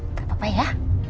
gak apa apa ya